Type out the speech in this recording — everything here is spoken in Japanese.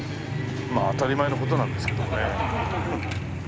まあ当たり前の事なんですけどもね。